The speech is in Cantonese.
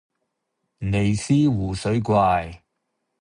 尼斯湖水怪